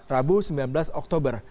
rabu sembilan belas oktober